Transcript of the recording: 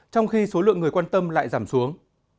trong khi số lượng người quan tâm lại giảm xuống